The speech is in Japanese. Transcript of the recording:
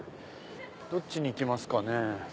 どっちに行きますかね。